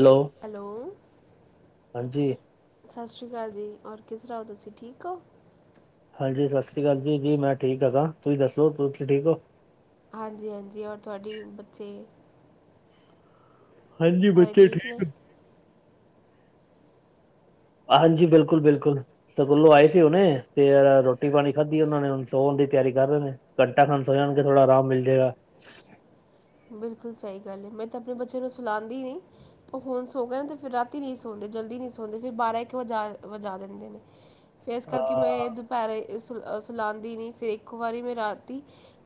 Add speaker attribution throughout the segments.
Speaker 1: Hello
Speaker 2: hello
Speaker 1: ਹਾਂਜੀ
Speaker 2: ਸਤਿ ਸ਼੍ਰੀ ਅਕਾਲ ਜੀ ਔਰ ਕਿਸ ਰਓ ਤੁਸੀਂ ਠੀਕ ਹੋ।
Speaker 1: ਹਾਂਜੀ ਸਤਿ ਸ਼੍ਰੀ ਅਕਾਲ ਜੀ-ਜੀ ਮੈਂ ਠੀਕ ਹਾਂ ਤੁਸੀਂ ਦੱਸੋ ਤੁਸੀਂ ਠੀਕ ਹੋ।
Speaker 2: ਹਾਂਜੀ- ਹਾਂਜੀ ਔਰ ਤੁਹਾਡੀ ਬੱਚੇ
Speaker 1: ਹਾਂਜੀ
Speaker 2: ਸਾਰੇ
Speaker 1: ਬੱਚੇ
Speaker 2: ਨੇ
Speaker 1: ਠੀਕ ਹਾਂਜੀ ਬਿਲਕੁਲ-ਬਿਲਕੁਲ ਸਕੂਲੋਂ ਆਏ ਸੀ ਹੁਨੇ ਤੇ ਰੋਟੀ ਪਾਣੀ -ਖਾਧੀ ਉਹਨਾਂ ਨੇੁ ਸੋਣ ਦੀ ਤਿਆਰੀ ਕਰ ਰਏ ਨੇ। ਘੰਟਾ ਖਾਨ ਸੋ ਜਾਣਗੇ ਥੋੜਾ ਆਰਾਮ ਮਿਲ ਜਾਏਗਾ।
Speaker 2: ਬਿਲਕੁਲ ਸਈ ਗੱਲ ਏ ਮੈਂ ਤਾਂ ਆਪਣੇ ਬੱਚੇ ਨੂੰ ਸਲਾਉਂਦੀ ਨਹੀਂ। ਓ ਹੁਣ ਸੋ ਗਏ ਅਤੇ ਫਿਰ ਰਾਤੀ ਨਹੀਂ ਸੋਂਦੇ ਜਲਦੀ ਨਹੀਂ ਸੋਂਦੇ ਫਿਰ ਬਾਰਾਂ ਇੱਕ ਵਜਾ ਵਜਾ ਦਿੰਦੇ ਨੇ। ਫਿਰ ਇਸ ਕਰਕੇ ਮੈਂ
Speaker 1: ਹਾਂ
Speaker 2: ਦੁਪੈਰੇ ਸੁਲਾਉਦੀ ਨਈ ਫਿਰ ਇੱਕ ਵਾਰੀ ਮੈਂ ਰਾਤੀ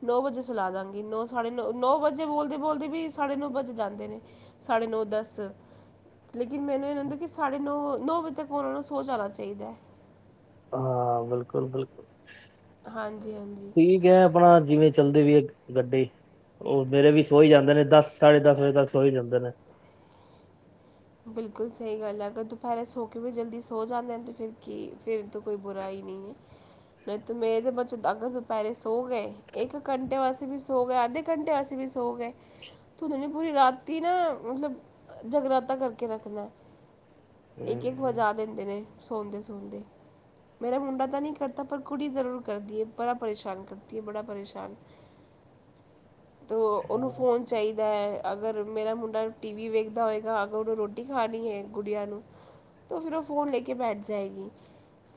Speaker 2: ਨੌ ਵਜੇ ਸਲਾ ਦਾਂਗੀ ਨੌ ਸਾਢੇ ਨੌ-ਨੌ ਵਜੇ ਬੋਲਦੇ-ਬੋਲਦੇ ਵੀ ਸਾਢੇ ਨੌ ਵਜ ਜਾਂਦੇ ਨੇ ਸਾਢੇ ਨੌ ਦੱਸ ਲੇਕਿਨ ਮੈਨੂੰ ਇਹ ਨਹੀਂ ਹੁੰਦਾ ਕਿ ਸਾਢੇ ਨੌ ਨੌ ਵਜੇ ਤੱਕ ਉਹਨਾਂ ਨੂੰ ਸੋ ਜਾਣਾ ਚਾਹੀਦਾ ਹੈ।
Speaker 1: ਹਾਂ ਬਿਲਕੁਲ-ਬਿਲਕੁਲ
Speaker 2: ਹਾਂਜੀ-ਹਾਂਜੀ
Speaker 1: ਠੀਕ ਹੈ ਆਪਣਾ ਜਿਵੇਂ ਚੱਲਦੀ ਵੀ ਹੈ ਗੱਡੀ ਓ ਮੇਰੇ ਵੀ ਸੋ ਹੀ ਜਾਂਦੇ ਨੇ ਦਸ ਸਾਢੇ ਦਸ ਵਜੇ ਤੱਕ ਸੋ ਹੀ ਜਾਂਦੇ ਨੇ।
Speaker 2: ਬਿਲਕੁਲ ਸਈ ਗੱਲ ਏ ਅਗਰ ਦੁਪੈਰੇ ਸੋ ਕੇ ਵੀ ਜਲਦੀ ਸੋ ਜਾਂਦੇ ਹਨ ਤੇ ਫਿਰ ਕੀ ਫਿਰ ਤੋ ਕੋਈ ਬੁਰਾਈ ਨਈ ਏ। ਤੇ ਮੇਰੇ ਬੱਚੋਂ ਅਗਰ ਦੁਪੈਰੇ ਸੋ ਗਏ ਇੱਕ ਘੰਟੇ ਆਸੇ ਵੀ ਸੋ ਗਏ ਅੱਧੇ ਘੰਟੇ ਆਸੇ ਸੋ ਗਏ ਤੇਮੈਨੂੰ ਪੂਰੀ ਰਾਤੀ ਨਾ ਮਤਲਬ ਜਗਰਾ ਪਤਾ ਕਰਕੇ ਰੱਖਣਾ ਇੱਕ-ਇੱਕ
Speaker 1: ਹਮ,
Speaker 2: ਵੱਜ਼ਾ ਦਿੰਦੇ ਨੇ ਸੋ ਦੇ-ਸੋ ਦੇ ਮੇਰਾ ਮੁੰਡਾ ਤੇ ਨਈ ਕਰਦਾ ਪਰ ਕੁੜੀ ਜ਼ਰੂਰ ਕਰਦੀ ਹੈ ਬੜਾ ਪਰੇਸ਼ਾਨ ਕਰਤੀ ਹੈ ਬੜਾ ਪਰੇਸ਼ਾਨ [inaudible] ਤੋ ਉਹਨੂੰ ਫੋਨ ਚਾਹੀਦਾ ਹੈ ਅਗਰ ਮੇਰਾ ਮੁੰਡਾ ਟੀ ਵੀ ਵੇਖਦਾ ਹੋਏਗਾ। ਅਗਰ ਉਹਨੂੰ ਰੋਟੀ ਖਾਣੀ ਹੈ ਗੁੜੀਆਂ ਨੂੰ ਤਾਂ ਫਿਰ ਓ ਫੋਨ ਲੈ ਕੇ ਬੈਠ ਜਾਏਗੀ।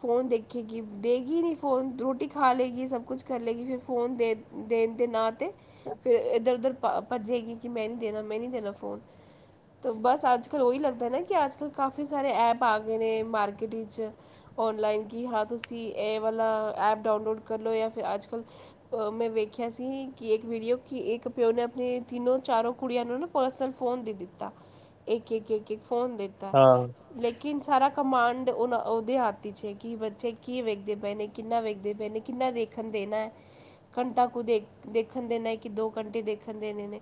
Speaker 2: ਫੋਨ ਦੇਖੇਗੀ ਦੇਗੀ ਨਈ ਫੋਨ ਰੋਟੀ ਖਾ ਲਏਗੀ ਸਭ ਕੁਛ ਕਰ ਲੇਗੀ ਫਿਰ ਫੋਨ ਦੇ ਦੇਣ ਦੇ ਨਾ ਤੇ ਫਿਰ ਇੱਧਰ ਉੱਧਰ ਭੱਜੇਗੀ ਕਿ ਮੈਂ ਨਈ ਦੇਣਾ ਮੈਂ ਨਈ ਦੇਣਾ ਫੋਨ ਤੇ ਬਸ ਅੱਜ ਕੱਲ ਉਹੀ ਲੱਗਦਾ ਨਾ ਕਿ ਅਜ ਕੱਲ ਕਾਫੀ ਸਾਰੇ ਐਪ ਆ ਗਏ ਨੇ ਮਾਰਕੀਟ 'ਚ‌ ਔਨਲਾਈਨ ਕੀ ਹਾਂ ਤੁਸੀਂ ਇਹ ਵਾਲਾ ਐਪ ਡਾਊਨਲੋਡ ਕਰ ਲਓ ਜਾਂ ਫਿਰ ਅੱਜ ਕੱਲ੍ਹ ਮੈਂ ਵੇਖਿਆ ਸੀ ਕਿ ਇੱਕ ਵੀਡੀਓ ਕਿ ਇੱਕ ਪਿਓ ਨੇ ਆਪਣੇ ਤਿੰਨੋਂ ਚਾਰੋਂ ਕੁੜੀਆਂ ਨੂੰ ਨਾ ਪਰਸਨਲ ਫੋਨ ਦੀ ਦਿੱਤਾ ਇੱਕ-ਇੱਕ-ਇੱਕ-ਇੱਕ ਫੋਨ ਦਿੱਤਾ
Speaker 1: ਹਾਂ
Speaker 2: ਲੇਕਿਨ ਕਿ ਸਾਰਾ ਕਮਾਂਡ ਉਹਨਾਂ ਉਹਦੇ ਹੱਥ ਹੈ ਕਿ ਬੱਚੇ ਕੀ ਵੇਖਦੇ ਪਏ ਨੇ ਕਿੰਨਾ ਵੇਖਦੇ ਪਏ ਨੇ ਕਿੰਨਾ ਦੇਖ ਦੇਖਣ ਦੇਣਾ ਹੈ ਘੰਟਾ ਕੁ ਦੇ ਦੇਖਣ ਦੇਣਾ ਹੈ ਕਿ ਦੋ ਘੰਟੇ ਦੇਖਣ ਦੇਣੇ ਨੇ।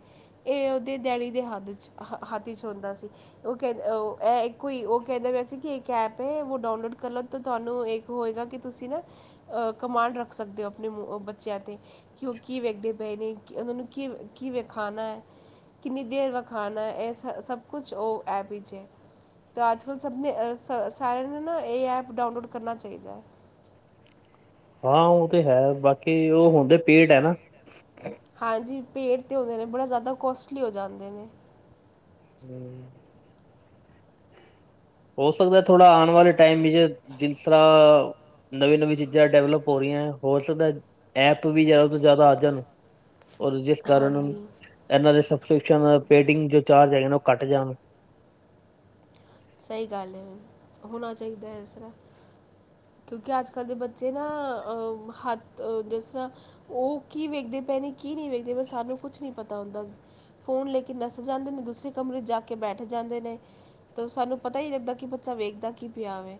Speaker 2: ਇਹ ਉਹਦੇ ਡੈਡੀ ਦੇ ਹੱਦ 'ਚ ਹੱਥ 'ਚ ਹੁੰਦਾ ਸੀ। ਓ ਕਹਿੰ ਕੋਈ ਇਕੋ ਓ ਕੈਂਦੇ ਪਿਆ ਸੀ ਕਿ ਇੱਕ ਐਪ ਹੈ ਓ ਡਾਊਨਲੋਡ ਕਰ ਲਓ। ਤਾਂ ਤੁਆਨੂੰ ਏੱਕ ਹੋਏਗਾ ਕਿ ਤੁਸੀ ਨਾ ਅ ਕਮਾਂਡ ਰੱਖ ਸਕਦੇ ਓ ਆਪਣੇ ਬੱਚੇਆਂ ਤੇ। ਕਿਉਂਕਿ ਵੇਖਦੇ ਪੇ ਨੇ ਕਿ ਓਨਾਂ ਨੂੰ ਕਿ, ਕਿ ਵੇੇਖਾਣਾ ਐ, ਕਿੰਨੀ ਦੇਰ ਵਖਾਣਾ ਐ, ਐਸ ਹ ਸਭ ਕੁਝ ਓ ਐਪ ਵਿੱਚ ਏ ਤੋ ਅੱਜ ਕੱਲ ਸਭ ਨੇ ਅ ਸਾਰੇਆਂ ਨੂੰ ਨਾ ਏ ਐਪ ਡਾਊਨਲੋਡ ਕਰਨਾ ਚਾਹੀਦੈ।
Speaker 1: ਹਾਂ ਓ ਤੇ ਹੈ ਬਾਕੀ ਓ ਹੁੰਦੇ ਪੇਡ ਐ ਨਾ।
Speaker 2: ਹਾਂਜੀ ਪੇਡ ਤੇ ਹੁੰਦੇ ਨੇ ਬੜਾ ਜ਼ਾਦਾ ਕੋਸਟਲੀ ਹੋ ਜਾਂਦੇ ਨੇ।
Speaker 1: ਹੂੰ। ਹੋ ਸਕਦੈ ਥੋੜਾ ਆਨ ਵਾਲੇ ਟਾਈਮ ਵਿਚ ਜਿਸਰਾਂ ਨਵੀਂ-ਨਵੀਂ ਚੀਜ਼ਾਂ ਡੇਵਲਪ ਹੋ ਰਈਐਂ ਹੋ ਸਕਦੈ ਐਪ ਵੀ ਜ਼ਿਆਦਾ ਤੋਂ ਜ਼ਿਆਦਾ ਆ ਜਨ ਔਰ ਜਿਸ ਕਾਰਨ
Speaker 2: ਹਾਂਜੀ
Speaker 1: ਐਨਾਂ ਦੇ ਸਬਸਕ੍ਰਿਪਸ਼ਨ ਪੇਟਿੰਗ ਜੋ ਚਾਰਜ ਹੈਗੇ ਨੇ ਓ ਘੱਟ ਜਾਨ।
Speaker 2: ਸਈ ਗੱਲ ਏ ਹੋਣਾ ਚਾਈਦੈ ਇਸਰ੍ਹਾਂ। ਕਿਉਂਕਿ ਅੱਜ ਕੱਲ੍ਹ ਦੇ ਬੱਚੇ ਨਾ ਅ ਹੱਥ ਡਿਸ ਓ ਕੀ ਵੇਖਦੇ ਪਏ ਨੇ, ਕੀ ਨੀ ਵੇਖਦੇ ਪੇ ਸਾਨੂੰ ਕੁਛ ਨੀ ਪਤਾ ਹੁੰਦਾ। ਫ਼ੋਨ ਲੈ ਕੇ ਨੱਸ ਜਾਂਦੇ ਨੇ, ਦੂਸਰੇ ਕਮਰੇ 'ਚ ਜਾ ਕੇ ਬੈਠ ਜਾਂਦੇ ਨੇ। ਤੋ ਸਾਨੂੰ ਪਤਾ ਈ ਨੀ ਲੱਗਦਾ ਕਿ ਬੱਚਾ ਵੇਖਦਾ ਕੀ ਪਿਆ ਵੇ,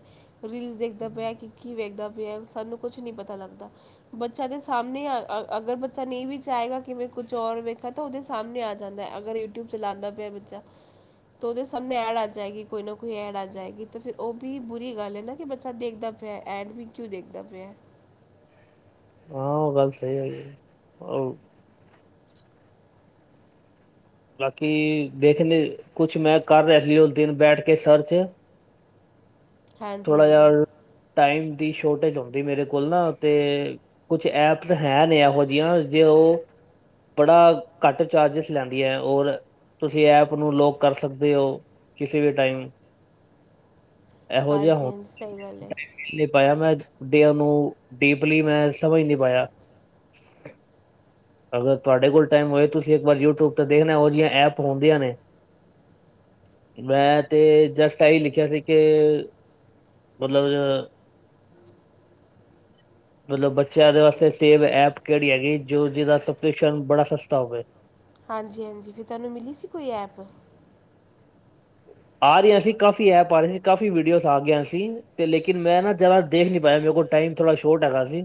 Speaker 2: ਰੀਲਸ ਦੇਖਦਾ ਪਿਆ ਕਿ ਕੀ ਵੇਖਦਾ ਪਿਆ ਵ ਸਾਨੂੰ ਕੁਛ ਨੀ ਪਤਾ ਲੱਗਦਾ। ਬੱਚਾ ਦੇ ਸਾਹਮਣੇ ਆ ਅਗਰ ਬੱਚਾ ਨੀ ਵੀ ਚਾਏਗਾ ਕਿਵੇਂ ਕੁਝ ਔਰ ਵੇਖਣ ਤੋ ਓਦੇ ਸਾਮਣੇ ਆ ਜਾਂਦੈ ਅਗਰ ਯੂਟਿਊਬ ਚਲਾਂਦਾ ਪਿਐ ਬੱਚਾ ਤੋ ਓਦੇ ਸਾਮਣੇ ਐਡ ਆ ਜਾਏਗੀ, ਕੋਈ ਨਾ ਕੋਈ ਐਡ ਆ ਜਾਏਗੀ ਤੇ ਫੇਰ ਓ ਵੀ ਬੁਰੀ ਗੱਲ ਏ ਨਾ ਕਿ ਬੱਚਾ ਦੇਖਦਾ ਪਿਐ ਐਡ ਵੀ ਕਿਉਂ ਦੇਖਦਾ ਪਿਐ।
Speaker 1: ਹਾਂ ਓ ਗੱਲ ਸਈ ਹੈਗੀ ਏ। ਓ ਬਾਕੀ ਦੇਖਣੇ ਕੁਛ ਮੈਂ ਕਰ ਰਿਆ ਸੀ ਓਸ ਦਿਨ ਬੈਠ ਕੇ ਸਰਚ।
Speaker 2: [inaudible] ਹਾਂਜੀ
Speaker 1: ਥੋੜਾ
Speaker 2: ਹਾਂਜੀ
Speaker 1: ਜੇਆ ਟਾਈਮ ਦੀ ਸ਼ੋਰਟੇਜ ਹੁੰਦੀ ਮੇਰੇ ਕੋਲ ਨਾ ਤੇ ਕੁਛ ਐਪਸ ਹੈ ਨੇ ਐਹੋ ਜਿਆਂ ਜੇ ਓ ਬੜਾ ਘੱਟ ਚਾਰਜਿਸ ਲੈਨ ਦੀਐ ਔਰ ਤੁਸੀ ਐਪ ਨੂੰ ਲੌਕ ਕਰ ਸਕਦੇ ਓ ਕਿਸੇ ਵੀ ਟਾਈਮ
Speaker 2: ਹਾਂਜੀ-ਹਾਂਜੀ ਸਈ ਗੱਲ ਏ।
Speaker 1: ਨੀ ਪਾਏਆ ਮੈਂ ਡੇਆ ਨੂੰ ਡੀਪਲੀ ਮੈਂ ਸਮਝ ਨੀ ਪਾਏਆ। ਅਗਰ ਤੋਆਡੇ ਕੋਲ ਟਾਈਮ ਹੋਏ ਤੁਸੀ ਏੱਕ ਵਾਰ ਯੂਟਿਊਬ ਤੇ ਦੇਖਣਾ ਓਹਦੀਆਂ ਐਪ ਹੋਂਦੀਆਂ ਨੇ। ਮੈਂ ਤੇ ਜਸਟ ਐਈ ਲਿਖਿਆ ਸੀ ਕੇ ਮਤਲਬ ਮਤਲਬ ਬੱਚੇਆਂ ਦੇ ਵਾਸਤੇ ਸੇਵ ਐਪ ਕੇੜੀ ਹੈਗੀ ਜੋ ਜਿਦਾ ਸਬਸਕ੍ਰਿਪਸ਼ਨ ਬੜਾ ਸਸਤਾ ਹੋਵੇ।
Speaker 2: ਹਾਂਜੀ-ਹਾਂਜੀ ਫਿਰ ਤੁਆਨੂੰ ਮਿਲੀ ਸੀ ਕੋਈ ਐਪ?
Speaker 1: ਆ ਰਈਆਂ ਸੀ, ਕਾਫੀ ਐਪ ਆ ਰੀ ਸੀ, ਕਾਫੀ ਵੀਡੀਓਜ਼ ਆ ਗੀਆਂ ਸੀ ਤੇ ਲੇਕਿਨ ਮੈਂ ਨਾ ਜਿਆਦਾ ਦੇਖ ਨੀ ਪਾਇਆ ਮੇਰੇ ਕੋਲ ਟਾਈਮ ਥੋੜ੍ਹਾ ਸ਼ੋਰਟ ਹੈਗਾ ਸੀ।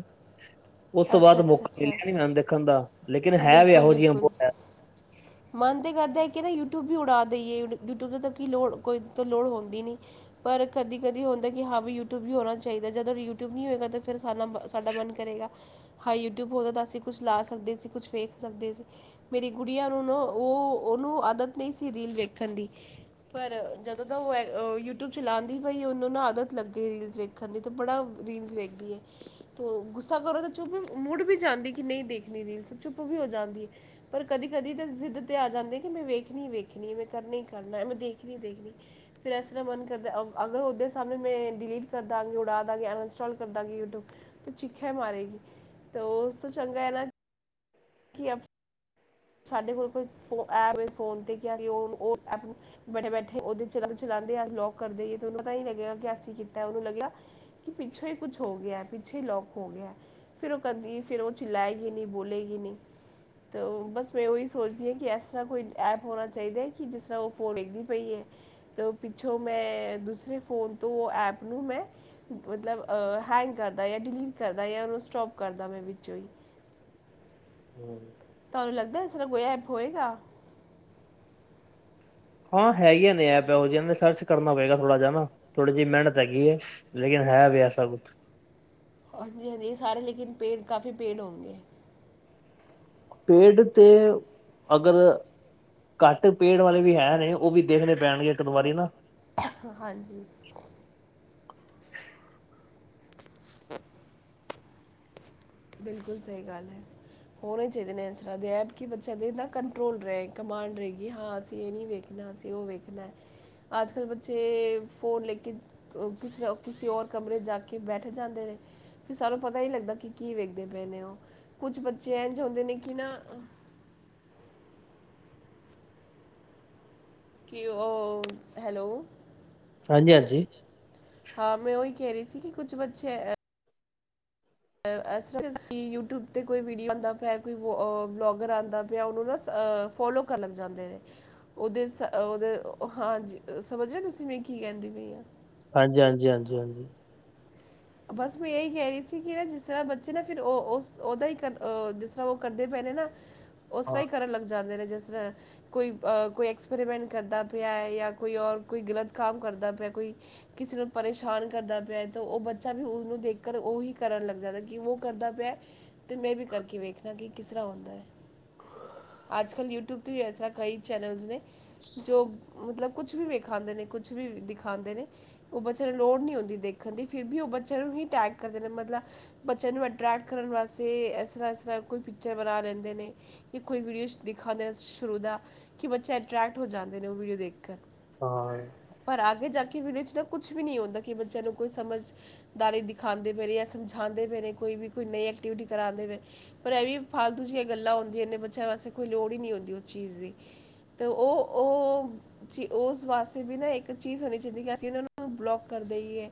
Speaker 1: ਓਸ ਤੋਂ
Speaker 2: ਅੱਛਾ
Speaker 1: ਬਾਦ
Speaker 2: ਅੱਛਾ
Speaker 1: ਮੌਕਾ
Speaker 2: ਅੱਛਾ
Speaker 1: ਮਿਲਿਆ ਨੀ ਮੈਨੂੰ ਦੇਖਣ ਦਾ, ਲੇਕਿਨ ਹੈ ਵੀ
Speaker 2: ਬਿਲਕੁਲ
Speaker 1: ਐਹੋ ਜਿਹੀਆਂ [unintelligible]
Speaker 2: ਬਿਲਕੁਲ ਮਨ ਤੇ ਕਰਦਾ ਐ ਕਿ ਨਾ ਯੂਟਿਊਬ ਬੀ ਉੜਾ ਦਈਏ। ਯੂਟਿਊਬ ਤ ਕੀ ਲੋੜ ਕੋਈ ਤ ਲੋੜ ਹੋਂਦੀ ਨੀ। ਪਰ ਕਦੀ-ਕਦੀ ਹੁੰਦੈ ਕਿ ਹਾਂ ਵੀ ਯੂਟਿਊਬ ਵੀ ਹੋਣਾ ਚਾਈਦੈ ਜਦੋਂ ਰੀ ਯੂਟਿਊਬ ਨੀ ਹੋਏਗਾ ਤ ਫੇਰ ਹੈਨਾ ਬ ਸਾਡਾ ਮਨ ਕਰੇਗਾ ਹਾਯ ਯੂਟਿਊਬ ਹੋਦਾ ਤਾਂ ਅਸੀਂ ਕੁਛ ਲਾ ਸਕਦੇ ਸੀ, ਕੁਛ ਵੇਖ ਸਕਦੇ ਸੀ। ਮੇਰੀ ਗੁੜੀਆਂ ਨੂੰ ਨਾ ਓ ਓਨੂੰ ਆਦਤ ਨੀ ਸੀ ਰੀਲ ਵੇਖਣ ਦੀ ਪਰ ਜਦੋਂ ਦਾ ਓ ਐ ਅ ਯੂਟਿਊਬ ਚਲਾਂਦੀ ਪਈ ਓਨੂੰ ਨਾ ਆਦਤ ਲੱਗੀ ਰੀਲਸ ਵੇ ਖਨ ਦੀ ਤੇ ਬੜਾ ਰੀਲਸ ਵੇਖਦੀ ਏ। ਤੋ ਗੁੱਸਾ ਕਰੋ ਤਾਂ ਚੁੱਪ, ਮੁੜ ਵੀ ਜਾਂਦੀ ਕਿ ਨਈ ਦੇਖਣੀ ਰੀਲਸ। ਚੁੱਪ ਵੀ ਹੋ ਜਾਂਦੀ ਏ। ਪਰ ਕਦੀ ਕਦੀ ਤਾਂ ਜਿੱਦ ਤੇ ਆ ਜਾਂਦੇ ਕਿ ਮੈਂ ਵੇਖਨੀ-ਵੇਖਨੀ ਮੈਂ ਕਰਨਾ ਈ ਕਰਨਾ ਮੈਂ ਦੇਖਨੀ-ਦੇਖਨੀ। ਫਿਰ ਐਸ ਤਰ੍ਹਾਂ ਮਨ ਕਰਦਾ ਅਗਰ ਓਦੇ ਸਾਮਣੇ ਮੈਂ ਡਿਲੀਟ ਕਰ ਦਾਂਗੀ ਉਡਾ ਦਾਂਗੀ ਅਨਇੰਸਟਾਲ ਕਰ ਦਾਂਗੀ ਯੂਟੀਊਬ ਤੇ ਚਿੱਖਿਆ ਮਾਰੇਗੀ ਤੋ ਉਸ ਤੋਂ ਚੰਗਾ ਐ ਨਾ ਕਿ ਅਪ ਸਾਡੇ ਕੋਲ ਕੋਈ ਫੋ ਐਪ ਏ ਫੋਨ ਤੇ ਕਿਓਂਕਿ ਓ ਓਨੁ ਐਪ ਨੂੰ ਬੈਠੇ-ਬੈਠੇ ਓਦੇ ਚ ਚਲਾਂਦੇ ਆ ਅ ਲੌਕ ਕਰਦੇਈਏ ਤੇ ਉਨੂੰ ਪਤਾ ਈ ਨਈ ਲੱਗੇਗਾ ਕਿ ਅਸੀਂ ਕੀਤਾ ਓਨੂੰ ਲੱਗੇਗਾ ਕਿ ਪਿੱਛੋਂ ਈ ਕੁਛ ਹੋ ਗਿਆ ਪਿੱਛੇ ਈ ਲੋਕ ਹੋ ਗੇਆ। ਫਿਰ ਓ ਕਦੀ ਫਿਰ ਓ ਚਿਲਾਏਗੀ ਨੀ ਬੋਲੇਗੀ ਨੀ ਤੇ ਓ ਬਸ ਮੈਂ ਓਈ ਸੋਚਦੀ ਆ ਕਿ ਐਸਾ ਕੋਈ ਐਪ ਹੋਨਾ ਚਾਈਦਾ ਐ ਕਿ ਜਿਸ ਤਰਾਂ ਓ ਫੋਨ ਵੇਖਦੀ ਪਈ ਐ ਤੇ ਪਿੱਛੋਂ ਮੈਂ ਦੂਸਰੇ ਫੋਨ ਤੋਂ ਓ ਐਪ ਨੂੰ ਮੈਂ ਮਤਲਬ ਹੈਂਗ ਕਰਦਾ ਯਾਂ ਡਿਲੀਟ ਕਰਦਾ ਯਾਂ ਓਨੂੰ ਸਟੋਪ ਕਰਦਾ ਮੈਂ ਵਿੱਚੋਂ ਈ।
Speaker 1: ਹੂੰ।
Speaker 2: ਤੁਆਨੂੰ ਲੱਗਦਾ ਇਸ ਤਰਾ ਕੋਈ ਐਪ ਹੋਏਗਾ?
Speaker 1: ਹਾਂ ਹੈਗੀਆਂ ਨੇ ਐਪ ਇਹੋ ਜਿਆਂ ਨੇ ਸਰਚ ਕਰਨਾ ਪਏਗਾ ਥੋੜ੍ਹਾ ਜਿਆ ਨਾ ਥੋੜੀ ਜੀ ਮ੍ਹੇਨਤ ਹੈਗੀ ਏ। ਲੇਕਿਨ ਹੈ ਵੇ ਐਸਾ ਕੁਛ।
Speaker 2: ਓਂਜੇ ਨੀ ਸਾਰੇ ਲੇਕਿਨ ਪੇਡ ਕਾਫੀ ਪੇਡ ਹੋੋਨਗੇ।
Speaker 1: ਪੇਡ ਤੇ ਅਗਰ ਘੱਟ ਪੇੜ ਵਾਲੇ ਵੀ ਹੈਨੇ ਓਵੀ ਦੇਖਣੇ ਪੈਣਗੇ ਇੱਕ ਦੋ ਵਾਰੀ ਨਾ।
Speaker 2: ਹ-ਹਾਂਜੀ। [inaudible] ਬਿਲਕੁਲ ਸਈ ਗੱਲ ਐ। ਹੋਨੇ ਚਾਈਦੇ ਨੇ ਇਸ ਤਰ੍ਹਾਂ ਦੇ ਐਪ ਕਿ ਬੱਚਿਆਂ ਦੇ ਦਾ ਕੰਟਰੋਲ ਰੇ ਕਮਾਂਡ ਰਏਗੀ ਹਾਂ ਅਸੀਂ ਏ ਨੀ ਵੇਖ ਨਾ ਅਸੀਂ ਓ ਵੇਖਨਾ ਆੱਜ ਕੱਲ ਬੱਚੇ ਫੋਨ ਲੇਕਿਨ ਕਿਸ ਕਿਸੇ ਓਰ ਕਮਰੇ ਚ ਜਾ ਕੇ ਬੈਠ ਜਾਂਦੇ ਨੇ ਫੇਰ ਸਾਨੂੰ ਪਤਾ ਈ ਲੱਗਦਾ ਕਿ ਕੀ ਵੇਖਦੇ ਪਏ ਨੇ ਓ ਕੁਛ ਬੱਚੇ ਐਂਜ ਹੋੰਦੇ ਨੇ ਕਿ ਨਾ ਕਿ ਓਓ ਹੈਲੋ।
Speaker 1: ਹਾਂਜੀ-ਹਾਂਜੀ।
Speaker 2: ਹਾਂ ਮੈਂ ਓਈ ਕੈ ਰੀ ਸੀ ਕਿ ਕੁੱਝ ਬੱਚੇ ਅਐਸ ਤਰਾ ਯੂਟਿਊਬ ਤੇ ਕੋਈ ਵੀਡੀਓ ਆਂਦਾ ਪਿਆ ਕੋਈ ਵ ਅ ਵਲੋਗਰ ਆਂਦਾ ਪਿਆ ਓਨੂੰ ਨਾ ਸ ਫੋਲੋ ਕਰਨ ਲੱਗ ਜਾਂਦੇ ਨੇ। ਓਦੇ ਸ ਓਦੇ ਹਾਂਜੀ ਸਮਝਦੇ ਤੁਸੀਂ ਮੈ ਕੀ ਕੈਂਦੀ ਪਈ ਆ।
Speaker 1: ਹਾਂਜੀ, ਹਾਂਜੀ, ਹਾਂਜੀ, ਹਾਂਜੀ।
Speaker 2: ਬਸ ਮੈਂ ਐਈ ਕੈ ਰਈ ਸੀ ਕਿ ਨਾ ਜਿਸ ਤਰ੍ਹਾਂ ਬੱਚੇ ਨਾ ਫਿਰ ਓ ਓਸ ਓਦਾ ਈ ਕਰ ਅ ਜਿਸ ਤਰ੍ਹਾਂ ਓ ਕਰਦੇ ਪਏ ਨੇ ਨਾ ਓਸ ਤਰ੍ਹਾਂ
Speaker 1: ਹਾਂ
Speaker 2: ਈ ਕਰਨ ਲੱਗ ਜਾਂਦੇ ਨੇ ਜਿਸ ਤਰ੍ਹਾਂ ਕੋਈ ਅ ਕੋਈ ਐਕਸਪੈਰੀਮੈਂਟ ਕਰਦਾ ਪਿਆ ਯਾ ਕੋਈ ਓਰ ਕੋਈ ਗਲਤ ਕੰਮ ਕਰਦਾ ਪਿਆ ਕੋਈ ਕਿਸੇ ਨੂੰ ਪਰੇਸ਼ਾਨ ਕਰਦਾ ਪਿਆ ਐ ਤਾਂ ਓ ਬੱ ਚਾ ਵੀ ਉਨੂੰ ਦੇਖ ਕਰ ਓਹੀ ਕਰਨ ਲੱਗ ਜਾਂਦਾ ਕਿ ਓ ਕਰਦਾ ਪਿਆ ਤੇ ਮੈਂ ਵੀ ਕਰਕੇ ਵੇਖਨਾ ਕਿ ਕਿਸ ਤਰ੍ਹਾਂ ਹੁੰਦਾ ਐ। ਆੱਜ ਕੱਲ ਯੂਟਿਊਬ ਤੋਂਤੇ ਈ ਐਸ ਤਰਾ ਕਈ ਚੈਨਲਸ ਨੇ ਜੋ ਮਤਲਬ ਕੁਛ ਵੀ ਵੇਖਾਂਦੇ ਨੇ ਕੁਛ ਵੀ ਦਿਖਾਂਦੇ ਨੇ ਓ ਬਚੇਆ ਨੂੰ ਲੋੜ ਨੀ ਹੁੰਦੀ ਦੇਖਣ ਦੀ ਫਿਰ ਵੀ ਓ ਬੱਚਿਆਂ ਨੂੰ ਹੀ ਟੈਗ ਕਰਦੇ ਨੇ ਮਤਲਾ ਬੱਚੇਆਂ ਨੂੰ ਅਟਰ੍ਰੈਕਟ ਕਰਨ ਵਾਸੇ ਐਸ ਤਰ੍ਹਾਂ-ਐਸ ਤਰ੍ਹਾਂ ਕੋਈ ਪਿਚਰ ਬਣਾ ਲੈਂਦੇ ਨੇ ਕਿ ਕੋਈ ਵੀਡੀਓ ਚ ਦਿਖਾਂਦੇ ਨੇ ਸ਼ੁਰੂ ਦਾ ਕਿ ਬੱਚੇ ਅਟਰੈਕਟ ਹੋ ਜਾਂਦੇ ਨੇ ਓ ਵੀਡੀਓ ਦੇਖ ਕਰ।
Speaker 1: ਹਾਂ
Speaker 2: ਪਰ ਆਗੇ ਜਾ ਕੇ ਵੀ ਓਦੇ ਚ ਨਾ ਕੁਛ ਵੀ ਨੀ ਹੁੰਦਾ ਦਾ ਕਿ ਬੱਚਿਆਂ ਨੂੰ ਕੋਈ ਸਮਝ। ਦਾਰੇ ਦਿਖਾਦੇ ਪੈ ਰੇ ਜਾਂ ਸਮਝਾਦੇ ਪੈ ਰੇ ਕੋ ਵੀਈ ਨਈ ਐਕਟੀਵਿਟੀ ਕਰਾਂਦੇ ਪੇ ਨੇ। ਪਰ ਇਹ ਵੀ ਫਾਲਤੂ ਜਿਹੀਆਂ ਗੱਲਾਂ ਹੁੰਦੀਆਂ ਨੇ ਬੱਚਿਆਂ ਵਾਸਤੇਈ ਲੋੜ ਹੀ ਨੀ ਹੁੰਦੀ ਉਸ ਚੀਜ਼ ਦੀ। ਤੇ ਉਹ-ਉਹ। ਚ ਉਸ ਵਾਸਤੇ ਵੀ ਨਾ ਏਕ ਚੀਜ਼ ਹੋਣੀ ਚਾਹੀਦੀ ਕਿ ਅਸੀਂ ਇਹਨਾਂ ਨੂੰ ਬਲੋਕ ਕਰ ਦੇਈਏ।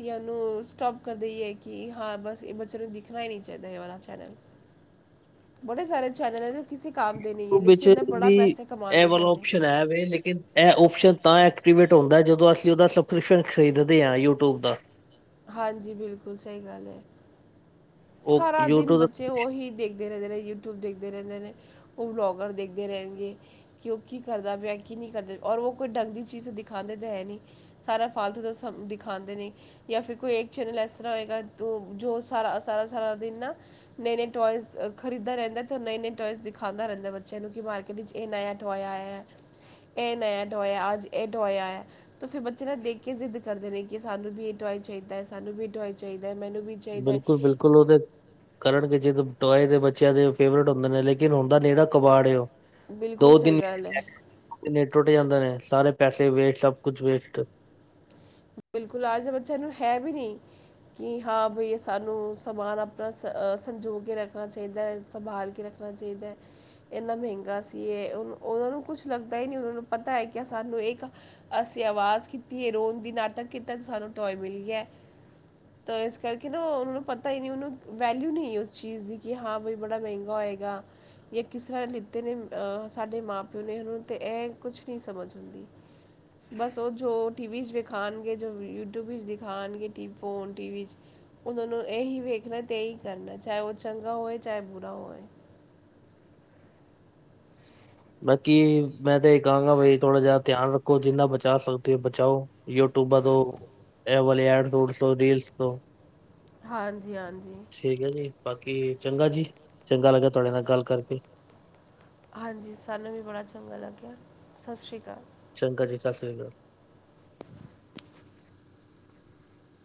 Speaker 2: ਜਾਂ ਉਹਨੂੰ ਸਟੋਪ ਕਰ ਦੇਈਏ, ਕਿ ਹਾਂ ਬਸ ਇਹ ਬੱਚੇ ਨੂੰ ਦਿਖਣਾ ਹੀ ਨਈ ਚਾਹੀਦਾ ਇਹ ਵਾਲਾ ਚੈਨਲ। [unintelligible] ਬੜੇ ਸਾਰੇ ਚੈਨਲ ਐ, ਜੋ ਕਿਸੇ ਕਾਮ ਦੇ ਨੀ ਏ
Speaker 1: ਉਹ
Speaker 2: ਲੇਕਿਨ
Speaker 1: ਵਿੱਚ
Speaker 2: ਇਹ ਨਾ ਬੜਾ
Speaker 1: ਵੀ
Speaker 2: ਪੈੇਸਾ
Speaker 1: ਇਹ
Speaker 2: ਕਮਾਦੇ ਪਏ।
Speaker 1: ਵਾਲਾ ਓਪਸ਼ਨ ਹੈ ਵੇ ਲੇਕਿਨ। ਇਹ ਓਪਸ਼ਨ ਤਾਂ ਐਕਟੀਵੇਟ ਹੁੰਦਾ, ਜਦੋਂ ਅਸੀਂ ਔਦਾ ਸਬਸਕ੍ਰਿਪਸ਼ਨ ਖਰੀਦ ਦੇ ਆ ਯੂਟਿਊਬ ਦਾ।
Speaker 2: ਹਾਂਜੀ ਬਿਲਕੁਲ ਸਹੀ ਗੱਲ ਏ,
Speaker 1: ਉਹ
Speaker 2: ਸਾਰਾ ਦਿਨ
Speaker 1: ਯੂਟਿਊਬ
Speaker 2: ਬੱਚੇ ਉਹੀ ਦੇਖ ਖਦੇ ਰੇਨਦੇ ਨੇ ਯੂਟਿਊਬ ਦੇਖਦੇ ਰੇਨਦੇ ਨੇ ਉਹ ਬਲੋਗਰ ਦੇਖਦੇ ਰਹਿਗੇ। ਕਿ ਉਹ ਕੀ ਕਰਦਾ ਪਿਆ ਕੀ ਨੀ ਕਰਦਾ ਔਰ ਉਹ ਕੋਈ ਡੰਗਦੀ ਚੀਜ਼ ਦਿਖਾਦੇ ਤਾਂ ਹੈ ਨੀ। ਸਾਰਾ ਫਾਲਤੂ ਦਾ ਸਭ ਦਿਖਾਂਦੇ ਨੇ। ਜਾਂ ਫਿਰ ਕੋਈ ਏਕ ਚੈਨਲ ਐ ਤਰ੍ਹਾਂ ਆਏਗਾ ਜੋ ਸਾਰਾ -ਸਾਰਾ ਸਾਰਾ ਦਿਨ ਨਾ। ਨਏ-ਨਏ ਟੋਇਜ਼ ਖਰੀਦ ਦਾ ਰੇਨਦਾ ਤੇ ਨਏ-ਨਏ ਟੋਇਜ਼ ਦਿਖਾਦਾ ਰੇਨਦਾ ਏ, ਬੱਚਿਆਂ ਨੂੰ ਕਿ ਮਾਰਕਿ ਵਿੱਚ ਇਹ ਨਯਾ ਟੌਏ ਆਯਾ ਏ, ਇਹ ਨਯਾ ਟੌਏ ਅੱਜ ਇਹ ਟੌਏ ਆਯਾ ਏ। ਤੇ ਫਿਰ ਬੱਚੇ ਨਾਲ ਦੇਖ ਕੇ ਜ਼ਿੱਦ ਕਰਦੇ ਨੇ, ਕਿ ਸਾਨੂੰ ਵੀ ਇਹ ਟੌਵਾਏ ਚਾਹੀਦਾ ਐ, ਸਾਨੂੰ ਵੀ ਇਹ ਟੌਵਾਆਈ ਚਾਹੀਦਾ ਐ ਮੈਨੂੰ ਵੀ। ਚਾਹੀਦਾ ਹੈ
Speaker 1: ਬਿਲਕੁਲ-ਬਿਲਕੁਲ। ਲ ਉਹ ਦੇਗੇ, ਜ ਟਆਏ ਦੇ ਬੱਚਿਆਂ ਦੇ ਫੇਵਰੇਟ ਹੁੰਦੇ ਨੇ ਲੇਕਿਨ ਹੁੰਦਾ ਨੇੜਾ ਕਬਾੜ ਉਹ।
Speaker 2: ਬਿਲਕੁਲ
Speaker 1: ਦੋ
Speaker 2: ਸਹੀ
Speaker 1: ਦਿਨ
Speaker 2: ਗੱਲ ਏ।
Speaker 1: ਨੇ ਟੁੱਟ ਜਾਂਦੇ ਨੇ, ਸਾਰੇ ਪੈਸੇ ਵੇਸਟ ਸਭ ਕੁਛ ਵੇਸਟ।
Speaker 2: ਬਿਲਕੁਲ, ਆਜ ਬੱਚੇ ਨੂੰ ਹੈ ਵੀ ਨੀ। ਕਿ ਹਾਂ ਬਈ ਸਾਨੂੰ ਸਮਾਨ ਆਪਣਾ ਸ ਸੰਜੋਗ ਕੇ ਰੱਖਣਾ ਚਾਹੀਦਾ ਐ ਸੰਭਾਲ ਕੇ ਰੱਖ ਆਪਣਾ ਚਾਹੀਦਾ ਏ। ਇੰਨਾ ਮਹਿੰਗਾ ਸੀ, ਇਹ ਉਹਨਾਂ ਨੂੰ ਕੁਛ ਲੱਗਦਾ ਹੀ ਨੀ ਉਹਨਾਂ ਨੂੰ ਪਤਾ ਹੈ ਕਿ ਸਾਨੂੰ ਇੱਕ ਅਸੀਂ ਆਵਾਜ਼ ਕੀਤੀ ਐ, ਰੋਂਣ ਦੀ ਨਾਟਕ ਕੀਤਾ ਤੇ ਸਾਨੂੰ ਟੌਏ ਮਿਲੀ ਗਿਆ। ਤਾਂ ਇਸ ਕਰਕੇ ਨਾ ਉਹਨਾਂ ਨੂੰ ਪਤਾ ਹੀ ਨੀ, ਉਹਨੂੰ ਵੈਲਿਊ ਨੀ ਉਸ ਚੀਜ਼ ਦੀ ਕਿ ਹਾਂ, ਬਈ ਬੜਾ ਮਹਿੰਗਾ ਹੋਏਗਾ। ਜਾਂ ਕਿਸ ਤਰ੍ਹਾਂ ਲਿੱਤੇ ਨੇ ਅ ਸਾਡੇ ਮਾਂ ਪਿਓ ਨੇ ਓਨਾ ਤੇ ਇਹ ਕੁਛ ਨੀ ਸਮਝ ਹੁੰਦੀ। ਬਸ ਉਹ ਜੋ ਟੀ ਵੀ ਚ ਵਖੇ ਖਾਣਗੇ ਜੋ ਯੂਟਿਊਬ ਵਿੱਚ ਦਿਖਾਣਗੇ ਫੋਨ ਟੀ ਚ ਉਹਨਾਂ ਨੂੰ ਇਹੀ ਵੇਖਣਾ ਅਤੇ ਇਹੀ ਕਰਨਾ ਚਾਹੇ ਉਹ ਚੰਗਾ ਹੋਵੇ, ਚਾਹੇ ਬੁਰਾ ਹੋਵੇ।
Speaker 1: ਬਾਕੀ ਮੈਂ ਤਾਂ ਇਹ ਕਹਾਂਗਾ ਬਈ ਥੋੜਾ ਜਿਹਾ ਧਿਆਨ ਰੱਖੋ, ਜਿੰਨਾ ਬਚਾ ਸਕਦੇ ਹੋ ਬਚਾਓ। ਯੂਟਊਬ ਬਾ ਤੋਂ ਇਹ ਵਾਲ ਐਡ ਉਡਸ ਤੋਂ ਰੀਲਸ ਤੋਂ।।
Speaker 2: ਹਾਂਜੀ-ਹਾਂਜੀ।
Speaker 1: ਠੀਕ ਏ ਜੀ, ਬਾਕੀ ਚੰਗਾ ਜੀ ਚੰਗਾ ਲੱਗਾ ਤੁਹਾਡੇ ਨਾਲ ਗੱਲ ਕਰਕੇ।
Speaker 2: ਹਾਂਜੀ, ਸਾਨੂੰ ਵੀ ਬੜਾ ਚੰਗਾ ਲੱਗਿਆ ਸਤਿ ਸ਼੍ਰੀ ਅਕਾਲ।
Speaker 1: ਚੰਗਾ ਜੀ, ਸਤਿ ਸ੍ਰੀ ਆਕਾਲ ਜੀ।